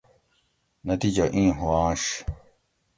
نتیجہ ایں ھوانش